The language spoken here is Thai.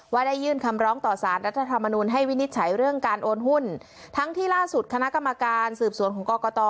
ได้ยื่นคำร้องต่อสารรัฐธรรมนุนให้วินิจฉัยเรื่องการโอนหุ้นทั้งที่ล่าสุดคณะกรรมการสืบสวนของกรกต